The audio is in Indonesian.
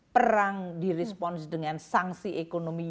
perang di respons dengan sanksi ekonomi